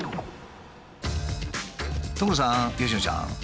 所さん佳乃ちゃん。